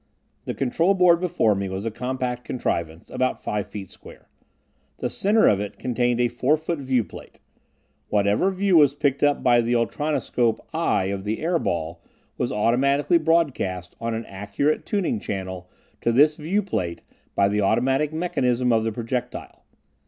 The control board before me was a compact contrivance about five feet square. The center of it contained a four foot viewplate. Whatever view was picked up by the ultronoscope "eye" of the air ball was automatically broadcast on an accurate tuning channel to this viewplate by the automatic mechanism of the projectile.